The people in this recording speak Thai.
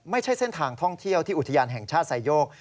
ไม่ใช่เส้นทางท่องเที่ยวที่อุทยานแห่งชาติไซโยก